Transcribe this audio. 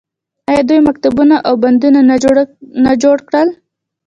آیا دوی مکتبونه او بندونه نه جوړ کړل؟